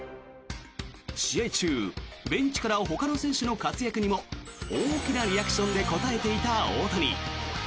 試合中、ベンチからほかの選手の活躍にも大きなリアクションで応えていた大谷。